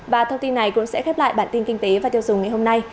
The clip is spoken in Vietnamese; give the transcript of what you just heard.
và thông tin này cũng sẽ khép lại bản tin kinh tế và tiêu dùng ngày hôm nay